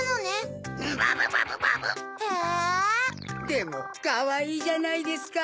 でもかわいいじゃないですか！